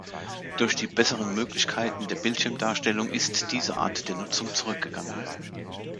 Durch die besseren Möglichkeiten der Bildschirmdarstellung ist diese Art der Nutzung zurückgegangen.